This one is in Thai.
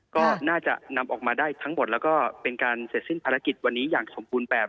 ก็น่าจะนำออกมาได้ทั้งหมดแล้วก็เป็นการเสร็จสิ้นภารกิจวันนี้อย่างสมบูรณ์แบบ